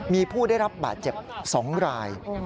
มีผู้ได้รับบาดเจ็บ๒ราย